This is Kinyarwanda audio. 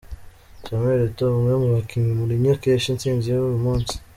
Samwuel Eto’o, umwe mu bakinnyi Mourinho akesha itsinzi y’uyu munsi.